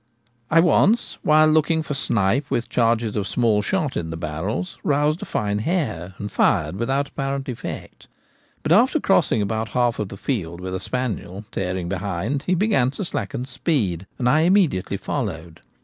I once, while looking for snipe with charges of small shot in the barrels, roused a fine hare, and fired without apparent effect. But after crossing about half of the field with a spaniel tearing behind, he began to slacken speed, and I immediately followed.